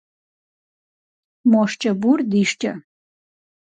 Мо шкӏэ бур ди шкӏэ?